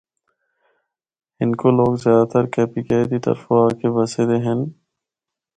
ہندکو لوگ زیادہ تر کے پی کے دی طرفو آکے بسے دے ہن۔